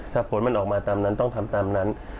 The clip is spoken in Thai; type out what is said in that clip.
ถ้าผลมันออกมาตามนั้นต้องทำตามนั้น